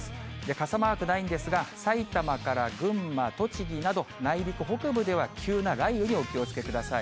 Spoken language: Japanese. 傘マークないんですが、埼玉から群馬、栃木など、内陸北部では急な雷雨にお気をつけください。